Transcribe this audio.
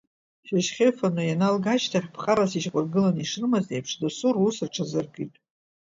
Шьыжьхьа ыфаны ианалга ашьҭахь, ԥҟарас ишьақәыргыланы ишрымаз еиԥш, досу рус рҽазыркит…